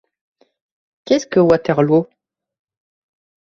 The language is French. Qu’est-ce que Waterloo ?